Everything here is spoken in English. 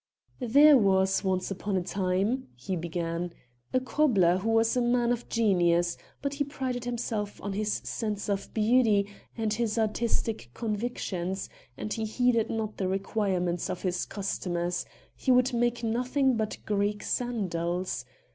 "There was once upon a time," he began, "a cobbler who was a man of genius, but he prided himself on his sense of beauty and his artistic convictions, and he heeded not the requirements of his customers he would make nothing but Greek sandals.